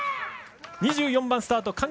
２４番スタート